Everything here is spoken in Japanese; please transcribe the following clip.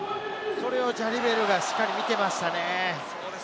それをジャリベールがしっかり見ていましたね。